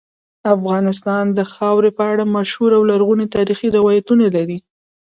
افغانستان د خاورې په اړه مشهور او لرغوني تاریخی روایتونه لري.